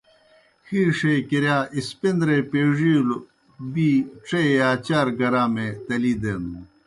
ہِیݜے کِرِیا اِسپِندرے پیڙیلوْ بی ڇے یا چار گرامے تلِی دینَن۔